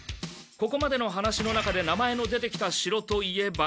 ここまでの話の中で名前の出てきた城といえば。